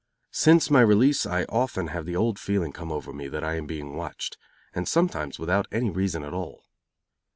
Since my release I often have the old feeling come over me that I am being watched; and sometimes without any reason at all.